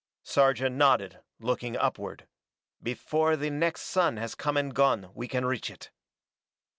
Sarja nodded, looking upward. "Before the next sun has come and gone we can reach it."